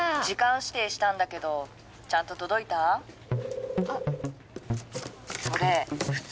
時間指定したんだけどちゃんと届いた？